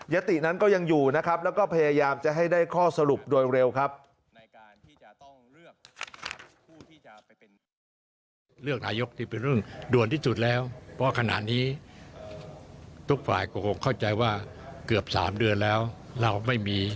ตินั้นก็ยังอยู่นะครับแล้วก็พยายามจะให้ได้ข้อสรุปโดยเร็วครับ